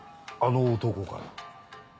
あの男から？